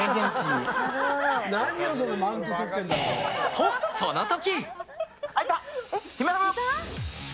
と、その時！